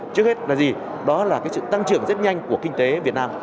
trước hết là gì đó là sự tăng trưởng rất nhanh của kinh tế việt nam